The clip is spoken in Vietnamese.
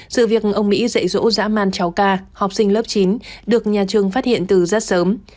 sự việc ông mỹ dạy dỗ dã man cháu ca học sinh lớp chín được nhà trường phát hiện từ rất sớm